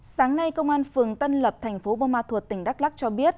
sáng nay công an phường tân lợi tp buôn ma thuột tỉnh đắk lắk cho biết